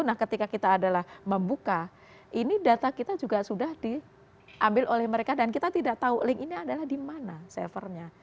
nah ketika kita adalah membuka ini data kita juga sudah diambil oleh mereka dan kita tidak tahu link ini adalah di mana servernya